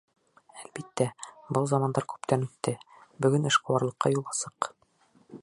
Әлбиттә, был замандар күптән үтте, бөгөн эшҡыуарлыҡҡа юл асыҡ.